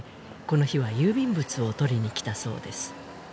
この日は郵便物を取りにきたそうです